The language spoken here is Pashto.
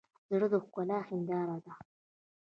زړه د ښکلا هنداره ده.